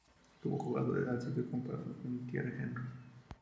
Como jugador ha sido comparado con Thierry Henry.